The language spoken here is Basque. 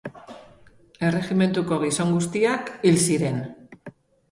Erregimentuko gizon guztiak hil ziren.